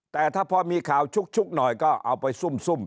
แต่ถ้าพอมีข่าวชุกหน่อยก็เอาไปซุ่ม